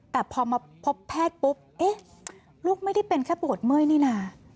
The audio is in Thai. แต่พอมาพบแพทย์ปุ๊บลูกไม่ได้เป็นแค่ปวดเมื่อยนี่นะ